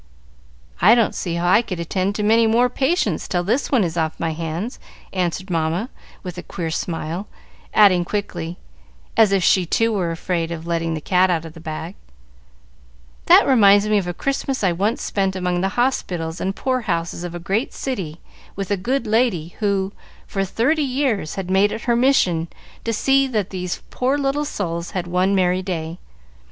"I don't see how I could attend to many more patients till this one is off my hands," answered Mamma, with a queer smile, adding quickly, as if she too was afraid of letting the cat out of the bag: "That reminds me of a Christmas I once spent among the hospitals and poor houses of a great city with a good lady who, for thirty years, had made it her mission to see that these poor little souls had one merry day.